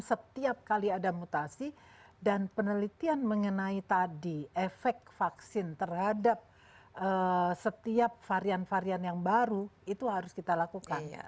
setiap kali ada mutasi dan penelitian mengenai tadi efek vaksin terhadap setiap varian varian yang baru itu harus kita lakukan